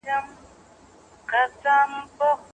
که ژبه خوږه وي نو ملګری نه خفه کیږي.